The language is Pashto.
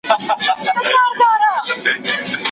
هم ویالې وې وچي سوي هم سیندونه